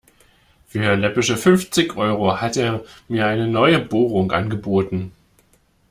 Für läppische fünfzig Euro hat er mir eine neue Bohrung angeboten.